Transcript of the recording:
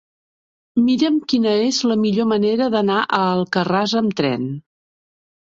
Mira'm quina és la millor manera d'anar a Alcarràs amb tren.